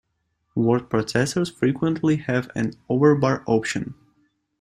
Word processors frequently have an overbar option.